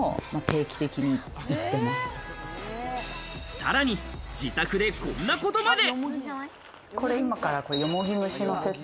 さらに自宅でこんなことまで。